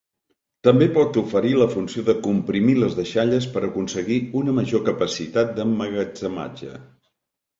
També pot oferir la funció de comprimir les deixalles per aconseguir una major capacitat d'emmagatzematge.